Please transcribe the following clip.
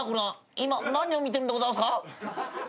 今何を見てるんでございますか？